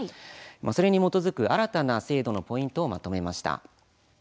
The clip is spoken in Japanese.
それに基づく新たな制度のポイントをまとめました。